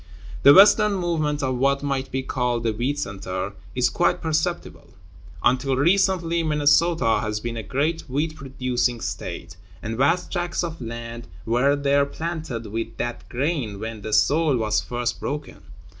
The Western movement of what might be called the "wheat center" is quite perceptible. Until recently Minnesota has been a great wheat producing State, and vast tracts of land were there planted with that grain when the soil was first broken.